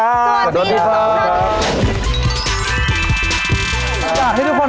สวัสดีครับ